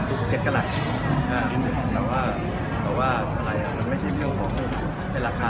หรือลดเสื้อหรือเปล่า